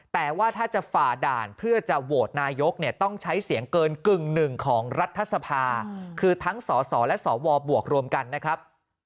แต่ว่าถ้าจะฝ่าด่านเพื่อจะโหวตนายกเนี่ยต้องใช้เสียงเกินกึ่งหนึ่งของรัฐสภาคือทั้งสสและสวบวกรวมกันนะครับ